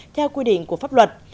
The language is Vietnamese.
theo quy định của pháp luật